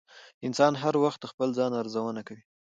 انسان هر وخت د خپل ځان ارزونه کوي.